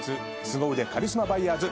スゴ腕カリスマバイヤーズ』